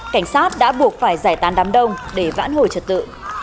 cảnh sát đã buộc phải giải tán đám đông để vãn hồi trật tự